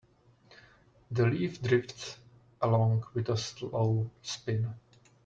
The leaf drifts along with a slow spin.